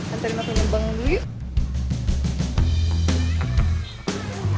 antara makanya bangun dulu yuk